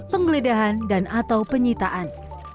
penggeledahan dan atau penyitaan